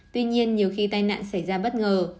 tuy nhiên nhiều khi tai nạn xảy ra bất ngờ